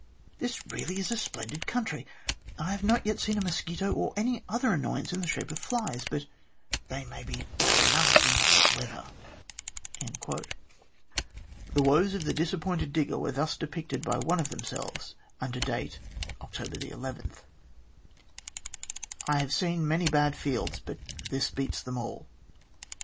This is really a splendid country. I have not yet seen a mosquito or any other annoyance in the shape of flies, but they may be bad enough in hot weather." The woes of the disappointed digger were thus depicted by one of themselves, under date October 11 :" I have seen many bad fields, but this beats all.